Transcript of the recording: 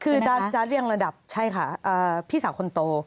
คือจะเรียงระดับใช่ค่ะพี่สาวคนโต